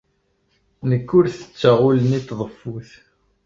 Nekk ur ttetteɣ ul-nni n tḍeffut.